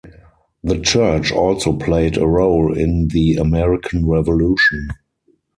The church also played a role in the American Revolution.